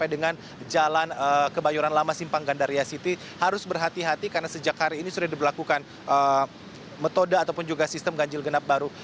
dengan jalan kebayoran lama simpang gandaria city harus berhati hati karena sejak hari ini sudah diberlakukan metode ataupun juga sistem ganjil genap baru